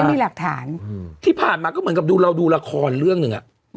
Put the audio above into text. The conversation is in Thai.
มีหลักฐานที่ผ่านมาก็เหมือนกับดูเราดูละครเรื่องหนึ่งอ่ะ